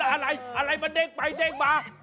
อะไรอะไรมันเด้งไปเด้งมา